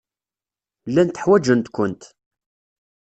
Llant ḥwajent-kent.